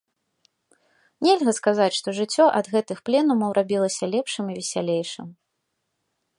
Нельга сказаць, што жыццё ад гэтых пленумаў рабілася лепшым і весялейшым.